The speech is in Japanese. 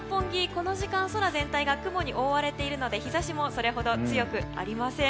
この時間、空全体が雲に覆われているので、日差しもそれほど強くありません。